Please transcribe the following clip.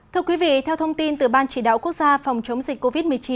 thưa quý vị theo thông tin từ ban chỉ đạo quốc gia phòng chống dịch covid một mươi chín